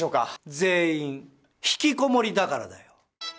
全員引きこもりだからだよ。